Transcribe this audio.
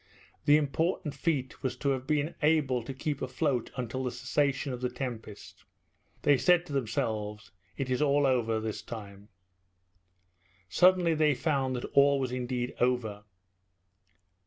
The important feat was to have been able to keep afloat until the cessation of the tempest. They said to themselves, "It is all over this time." Suddenly they found that all was indeed over.